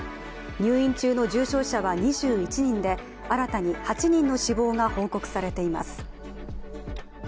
入院中の重症者は２１人で新たに８人の死亡が報告されています。